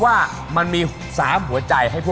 ทอดตอนนี้ไปหนูจะส้ม๗นิ้ว